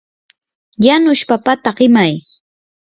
yanush papata qimay.